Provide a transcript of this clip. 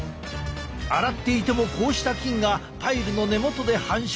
洗っていてもこうした菌がパイルの根元で繁殖。